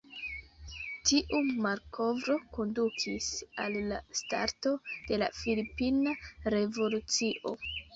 Tiu malkovro kondukis al la starto de la Filipina Revolucio.